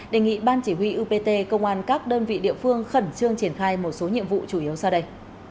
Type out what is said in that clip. đề nghị ban chỉ huy upt công an các đơn vị địa phương khẩn trương triển khai một số nhiệm vụ chủ yếu sau đây